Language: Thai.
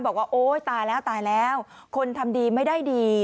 บอกว่าโอ๊ยตายแล้วคนทำดีไม่ได้ดี